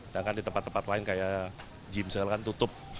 sedangkan di tempat tempat lain kayak gym sel kan tutup